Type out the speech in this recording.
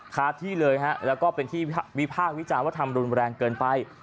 คาดที่เลยและก็เป็นที่วิภาควิจารณ์วัฒนธรรมรุนแรงเกินไป